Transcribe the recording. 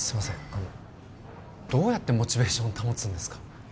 あのどうやってモチベーションを保つんですか？